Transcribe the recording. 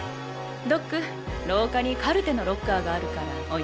ドック廊下にカルテのロッカーがあるから置いてきて。